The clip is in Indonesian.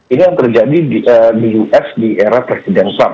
ini yang terjadi di us di era presiden trump